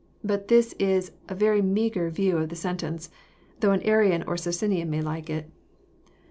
But this is a very meagre view of the sentence, though an Arian or Socinian may like it.